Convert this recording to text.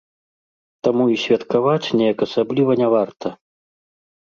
Таму і святкаваць неяк асабліва не варта.